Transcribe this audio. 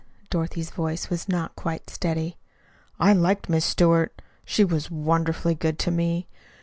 Dorothy's voice was not quite steady. "I liked Miss Stewart. She was wonderfully good to me.